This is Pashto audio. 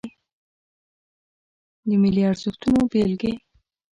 د ملي ارزښتونو بیلګې